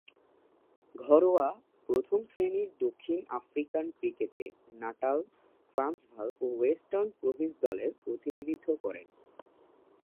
ঘরোয়া প্রথম-শ্রেণীর দক্ষিণ আফ্রিকান ক্রিকেটে নাটাল, ট্রান্সভাল ও ওয়েস্টার্ন প্রভিন্স দলের প্রতিনিধিত্ব করেন।